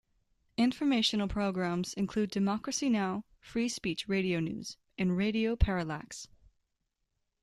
Informational programs include Democracy Now, Free Speech Radio News, and Radio Parallax.